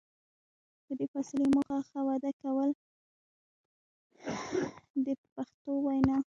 د دې فاصلې موخه ښه وده کول دي په پښتو وینا.